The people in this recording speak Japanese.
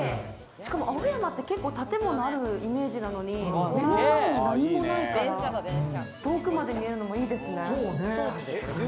しかも、青山って結構建物あるイメージなのに、目の前に何もないから遠くまで見えるのもいいですね。